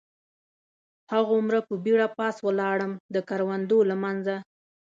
هغومره په بېړه پاس ولاړم، د کروندو له منځه.